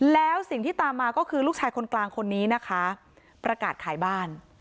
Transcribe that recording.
แล้วสิ่งที่ตามมาก็คือลูกชายคนกลางคนนี้นะคะประกาศขายบ้าน